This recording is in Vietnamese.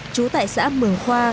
trú tại xã mường khoa